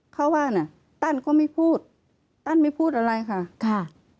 เขาว่าน่ะตั้นก็ไม่พูดตั้นไม่พูดอะไรค่ะค่ะ